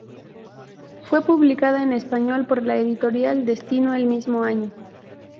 Fue publicada en español por la editorial Destino el mismo año.